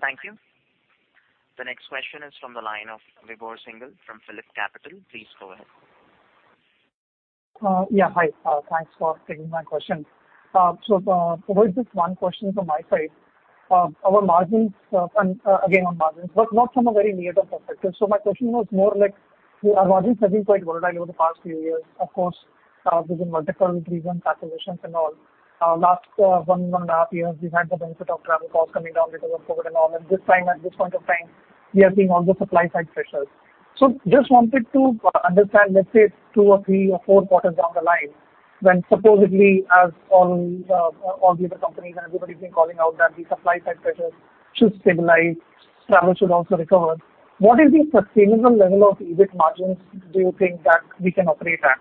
Thank you. The next question is from the line of Vibhor Singhal from PhillipCapital. Please go ahead. Yeah. Hi. Thanks for taking my question. There's just one question from my side. Our margins, again, on margins, but not from a very near-term perspective. My question was more like, our margins have been quite volatile over the past few years. Of course, there's been multiple reasons, acquisitions and all. Last one and a half years, we've had the benefit of travel costs coming down because of COVID and all. This time, at this point of time, we are seeing all the supply side pressures. Just wanted to understand, let's say two or three or four quarters down the line when supposedly as all global companies and everybody's been calling out that the supply side pressures should stabilize, travel should also recover. What is the sustainable level of EBIT margins do you think that we can operate at?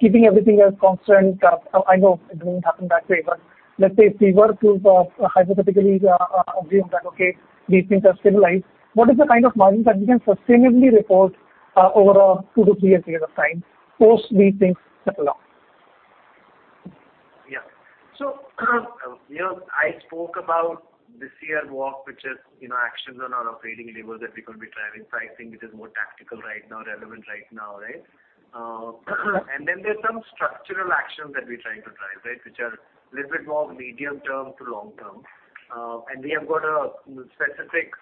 Keeping everything else constant, I know it won't happen that way. Let's say if we were to, hypothetically, assume that, okay, these things are stabilized, what is the kind of margin that we can sustainably report, over two to three years period of time post these things settle off? Yeah. You know, I spoke about this year walk, which is, you know, actions on our operating levers that we could be driving. I think it is more tactical right now, relevant right now, right? There's some structural actions that we're trying to drive, right? Which are a little bit more medium term to long term. We have got a specific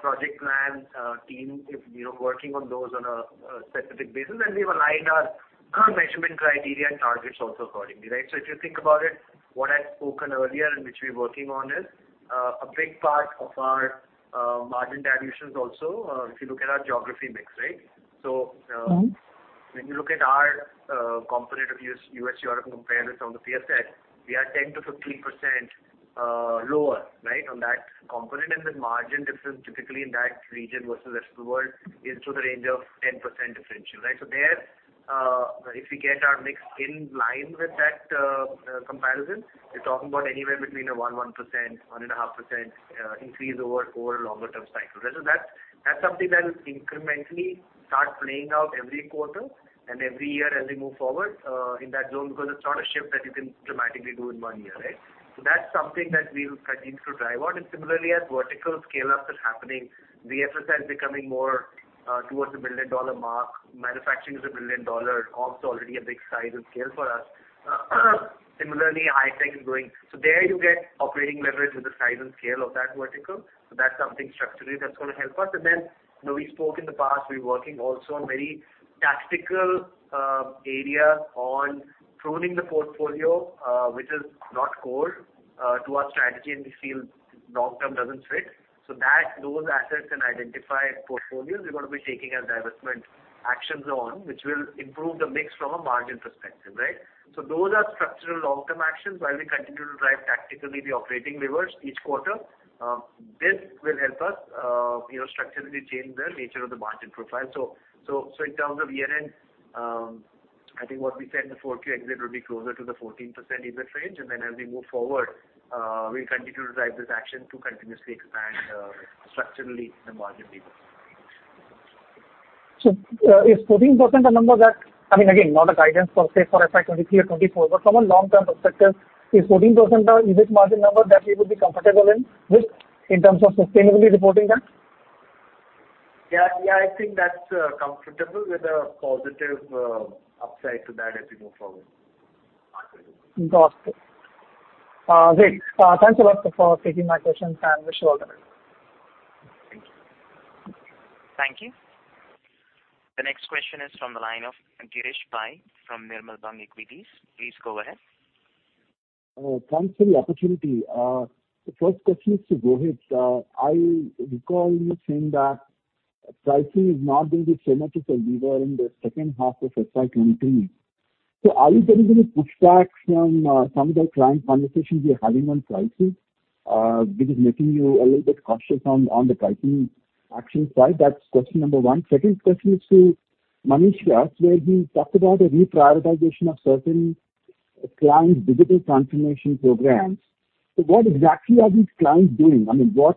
project plan team, you know, working on those on a specific basis. We've aligned our current measurement criteria and targets also accordingly, right? If you think about it, what I've spoken earlier and which we're working on is a big part of our margin dilutions also, if you look at our geography mix, right? Mm-hmm. When you look at our component of U.S., Europe comparison on the BFSI, we are 10%-15% lower, right, on that component. The margin difference typically in that region versus rest of the world is in the range of 10% differential, right? If we get our mix in line with that comparison, we're talking about anywhere between 1% and 1.5% increase over a longer-term cycle. That's something that will incrementally start playing out every quarter and every year as we move forward in that zone, because it's not a shift that you can dramatically do in one year, right? That's something that we will continue to drive on. Similarly as vertical scale-ups are happening, the BFSI is becoming more towards the billion-dollar mark. Manufacturing is a billion-dollar ops already a big size and scale for us. Similarly, Hi-Tech is growing. There you get operating leverage with the size and scale of that vertical. That's something structurally that's gonna help us. Then, you know, we spoke in the past, we're working also on very tactical area on pruning the portfolio, which is not core to our strategy in this field long term doesn't fit. Those assets and identified portfolios, we're gonna be taking our divestment actions on, which will improve the mix from a margin perspective, right? Those are structural long-term actions while we continue to drive tactically the operating levers each quarter. This will help us, you know, structurally change the nature of the margin profile. In terms of ESN, I think what we said in the 4Q exit will be closer to the 14% EBIT range. As we move forward, we'll continue to drive this action to continuously expand structurally the margin levers. Is 14% the number that I mean, again, not a guidance for, say, for FY 2023 or 2024, but from a long-term perspective, is 14% the EBIT margin number that we would be comfortable in, with in terms of sustainably reporting that? Yeah, yeah, I think that's comfortable with a positive upside to that as we move forward. Got it. Great. Thanks a lot for taking my questions and wish you all the best. Thank you. Thank you. The next question is from the line of Girish Pai from Nirmal Bang Equities. Please go ahead. Thanks for the opportunity. The first question is to Rohit. I recall you saying that pricing is not going to be similar to where we were in the second half of FY 2023. Are you getting any pushback from some of the client conversations you're having on pricing, which is making you a little bit cautious on the pricing action side? That's question number one. Second question is to Manish Vyas, where he talked about a reprioritization of certain client digital transformation programs. What exactly are these clients doing? I mean, what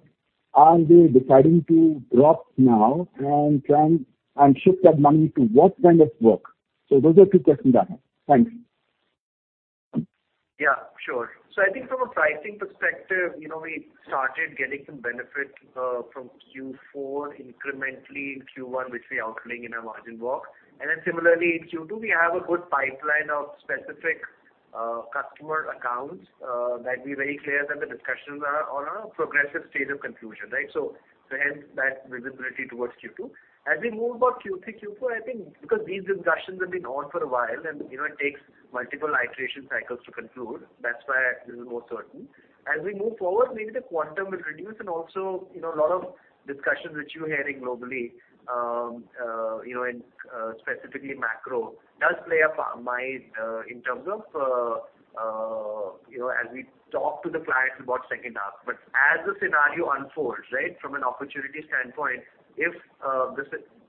are they deciding to drop now and try and shift that money to what kind of work? Those are two questions I have. Thanks. Yeah, sure. I think from a pricing perspective, you know, we started getting some benefit from Q4 incrementally in Q1, which we outlined in our margin walk. Similarly in Q2, we have a good pipeline of specific customer accounts that we're very clear that the discussions are on a progressive stage of conclusion. Right? Hence that visibility towards Q2. As we move about Q3, Q4, I think because these discussions have been on for a while and, you know, it takes multiple iteration cycles to conclude, that's why this is more certain. As we move forward, maybe the quantum will reduce and also, you know, a lot of discussions which you're hearing globally, in, specifically macro does play a part in terms of, you know, as we talk to the clients about second half. As the scenario unfolds, right, from an opportunity standpoint, if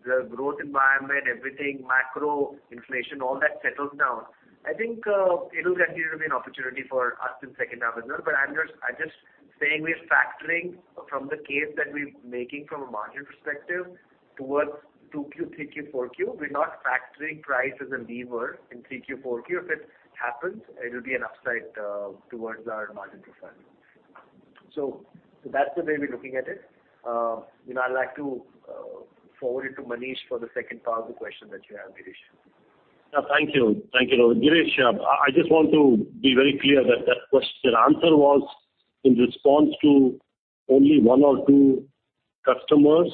the growth environment, everything, macro, inflation, all that settles down, I think, it'll continue to be an opportunity for us in second half as well. I'm just saying we're factoring from the case that we're making from a margin perspective towards 2Q, 3Q, 4Q. We're not factoring price as a lever in 3Q, 4Q. If it happens, it'll be an upside towards our margin profile. That's the way we're looking at it. You know, I'd like to forward it to Manish for the second part of the question that you have, Girish. Yeah, thank you. Thank you, Rohit. Girish, I just want to be very clear that that answer was in response to only one or two customers,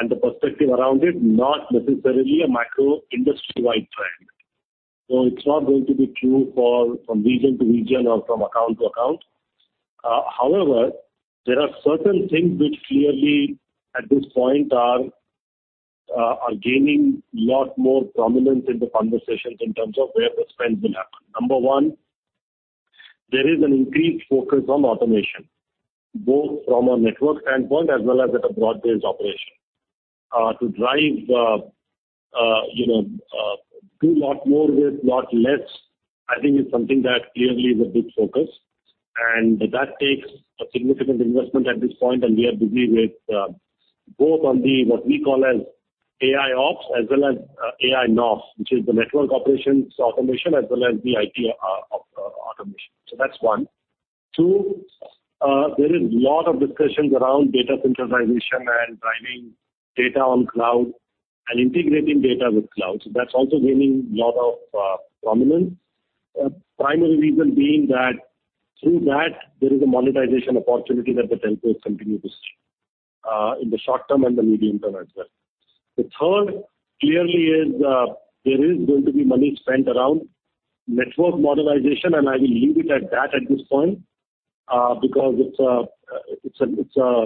and the perspective around it, not necessarily a macro industry-wide trend. It's not going to be true from region to region or from account to account. However, there are certain things which clearly at this point are gaining lot more prominence in the conversations in terms of where the spend will happen. Number one, there is an increased focus on automation, both from a network standpoint as well as at a broad-based operation. To drive, you know, do lot more with lot less, I think is something that clearly is a big focus. That takes a significant investment at this point, and we are busy with both on the what we call as AIOps as well as AI NOps, which is the network operations automation as well as the IT ops automation. That's one. Two, there is lot of discussions around data centralization and driving data on cloud and integrating data with cloud. That's also gaining lot of prominence. Primary reason being that through that there is a monetization opportunity that the telcos continue to see in the short term and the medium term as well. The third clearly is, there is going to be money spent around network modernization, and I will leave it at that at this point, because it's a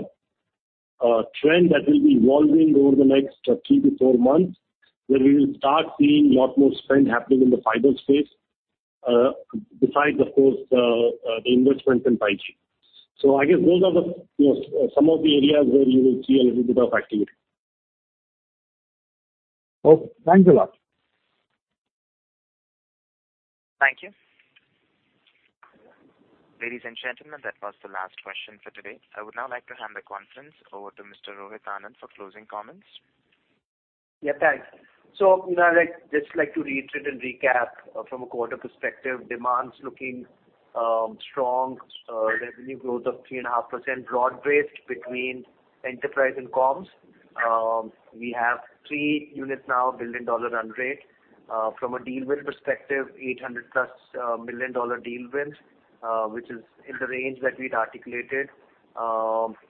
trend that will be evolving over the next three to four months, where we will start seeing lot more spend happening in the fiber space, besides of course, the investments in 5G. I guess those are the, you know, some of the areas where you will see a little bit of activity. Okay. Thanks a lot. Thank you. Ladies and gentlemen, that was the last question for today. I would now like to hand the conference over to Mr. Rohit Anand for closing comments. Yeah, thanks. You know, I'd like, just like to reiterate and recap from a quarter perspective, demand's looking strong. Revenue growth of 3.5%, broad-based between enterprise and comms. We have three units now, billion-dollar run rate. From a deal win perspective, 800+ million-dollar deal wins, which is in the range that we'd articulated. You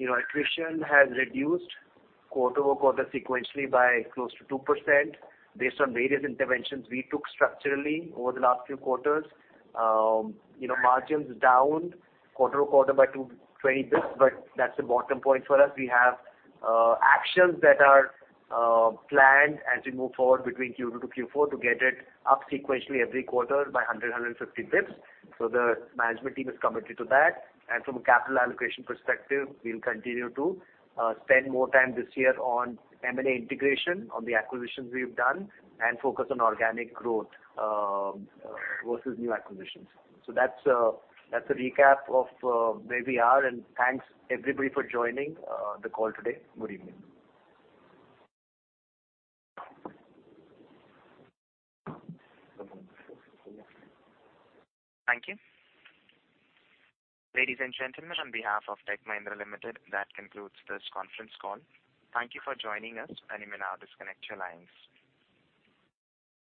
know, attrition has reduced quarter-over-quarter sequentially by close to 2% based on various interventions we took structurally over the last few quarters. You know, margins down quarter-over-quarter by 220 basis points, but that's the bottom point for us. We have actions that are planned as we move forward between Q2 to Q4 to get it up sequentially every quarter by 100, 150 basis points. The management team is committed to that. From a capital allocation perspective, we'll continue to spend more time this year on M&A integration on the acquisitions we've done and focus on organic growth versus new acquisitions. That's a recap of where we are. Thanks everybody for joining the call today. Good evening. Thank you. Ladies and gentlemen, on behalf of Tech Mahindra Limited, that concludes this conference call. Thank you for joining us. You may now disconnect your lines.